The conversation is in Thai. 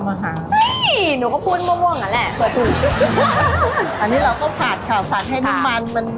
อันนี้พี่เผาใช่ไหมแม่